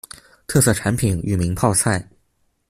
特色产品裕民泡菜。